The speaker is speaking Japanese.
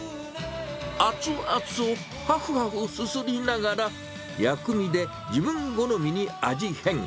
熱々をはふはふすすりながら、薬味で自分好みに味変。